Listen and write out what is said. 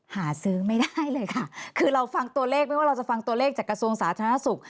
หาซื้อไม่ได้เลยค่ะคือเราฟังตัวเลขไม่ว่าเราจะฟังตัวเลขจากกระทรวงสาธารณสุข